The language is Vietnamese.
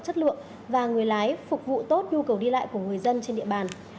chất lượng và người lái phục vụ tốt nhu cầu đi lại của người dân trên địa bàn